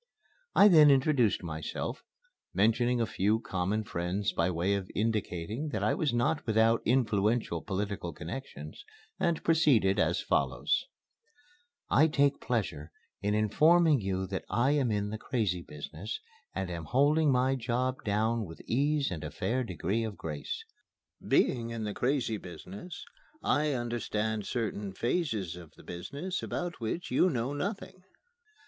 I then introduced myself, mentioning a few common friends, by way of indicating that I was not without influential political connections, and proceeded as follows: "I take pleasure in informing you that I am in the Crazy Business and am holding my job down with ease and a fair degree of grace. Being in the Crazy Business, I understand certain phases of the business about which you know nothing.